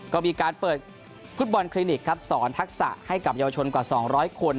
ก็มีการเปิดฟุตบอลคลินิกครับสอนทักษะให้กับเยาวชนกว่า๒๐๐คน